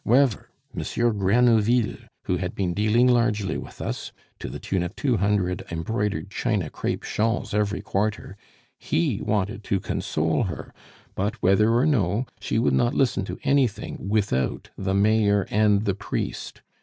'Wever, Monsieur Grenouville, who had been dealing largely with us to the tune of two hundred embroidered China crape shawls every quarter he wanted to console her; but whether or no, she would not listen to anything without the mayor and the priest.